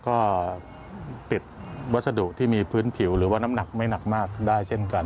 ก็ติดวัสดุที่มีพื้นผิวหรือว่าน้ำหนักไม่หนักมากได้เช่นกัน